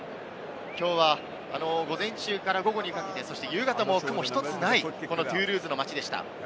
きょうは午前中から午後にかけて、夕方も雲１つないトゥールーズの街でした。